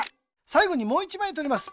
さいごにもう１まいとります。